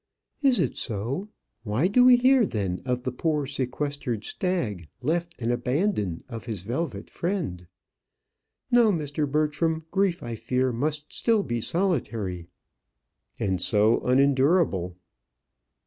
"Is it so? Why do we hear then 'of the poor sequestered stag, left and abandoned of his velvet friend?' No, Mr. Bertram, grief, I fear, must still be solitary." "And so, unendurable."